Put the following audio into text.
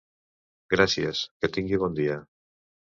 Gràcies, que tingui bon dia.